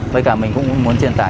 với cả mình cũng muốn truyền tả